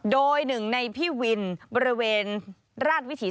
โดยหนึ่งในพี่วินบริเวณราชวิถี